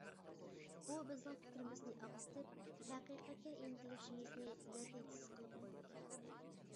بۇ بىزنىڭ پىكرىمىزنى ئاقسىتىپ، ھەقىقەتكە ئىنتىلىشىمىزنى نەتىجىسىز قىلىپ قويدى.